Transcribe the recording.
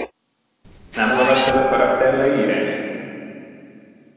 Nem olvastad a karakterleírást?